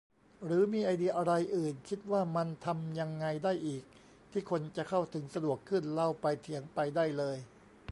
หรือมีไอเดียอะไรอื่น คิดว่ามันทำยังไงได้อีก ที่คนจะเข้าถึงสะดวกขึ้น เล่าไปเถียงไปได้เลย